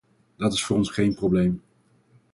Dat is voor ons geen probleem.